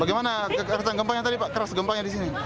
bagaimana kekerasan gempanya tadi pak keras gempanya di sini